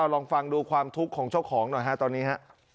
ลองฟังดูความทุกข์ของเจ้าของหน่อย